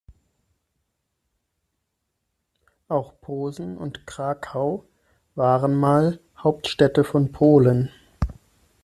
Auch Posen und Krakau waren mal Hauptstädte von Polen.